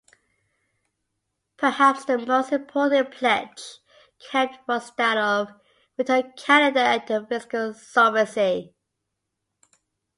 Perhaps the most important pledge kept was that of returning Canada to fiscal solvency.